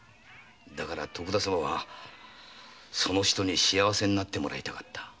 だから徳田様はその女に幸せになってもらいたかった。